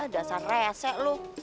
dasar resek lu